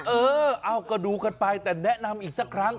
เออเอาก็ดูกันไปแต่แนะนำอีกสักครั้ง